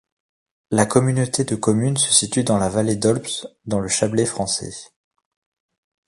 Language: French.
La communauté de communes se situe dans la Vallée d'Aulps, dans le Chablais français.